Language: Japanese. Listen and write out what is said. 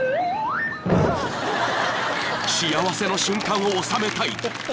［幸せの瞬間を収めたい］